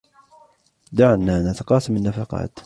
دعنا نتقاسم النفقات.